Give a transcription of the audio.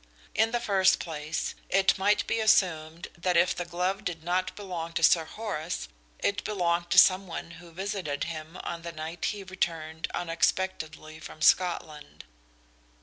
In the first place, it might be assumed that if the glove did not belong to Sir Horace it belonged to some one who visited him on the night he returned unexpectedly from Scotland.